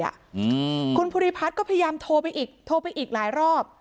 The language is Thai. อืมคุณภูริพัฒน์ก็พยายามโทรไปอีกโทรไปอีกหลายรอบ